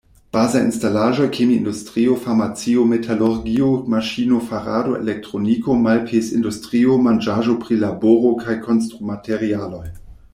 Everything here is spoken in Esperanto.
Bazaj instalaĵoj, kemi-industrio, farmacio, metalurgio, maŝino-farado, elektroniko, malpez-industrio, manĝaĵo-prilaboro kaj konstrumaterialoj.